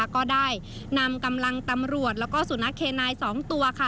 ก็ได้นำกำลังตำรวจแล้วก็สุนัขเคนาย๒ตัวค่ะ